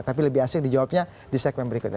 tapi lebih asing dijawabnya di segmen berikutnya